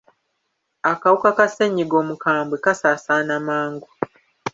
Akawuka ka ssenyiga omukambwe kasaasaana mangu.